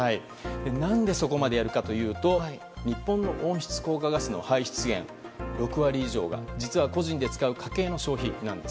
何でそこまでやるかというと日本の温室効果ガスの排出源６割以上が実は個人で使う家計の消費なんです。